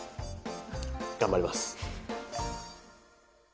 頑張ります。